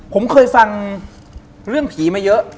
ผมเคยฟังเรื่องผีมาเยอะ